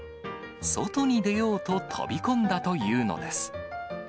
外に出ようと、飛び込んだというのです。